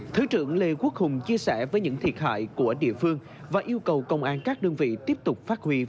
thứ trưởng lê quốc hùng chia sẻ với những thiệt hại của địa phương và yêu cầu công an các đơn vị tiếp tục phát huy